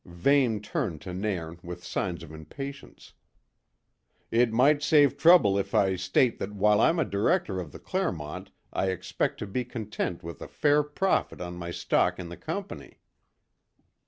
Vane turned to Nairn with signs of impatience. "It might save trouble if I state that while I'm a director of the Clermont I expect to be content with a fair profit on my stock in the company."